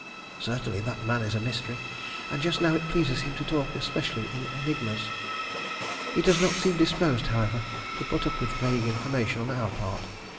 Certainly that man is a mystery, and just now it pleases him to talk especially in enigmas. He does not seem disposed, however, to put up with vague information on our part.